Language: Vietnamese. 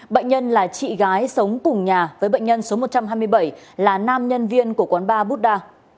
bệnh nhân là chị gái sống cùng nhà với bệnh nhân số một trăm hai mươi bảy là nam nhân viên của quán ba buddha